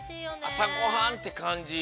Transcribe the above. あさごはんってかんじ。